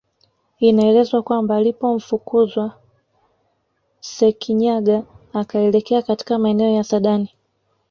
Inaelezwa kwamba alipomfukuzwa Sekinyaga akaelekea katika maeneo ya Sadani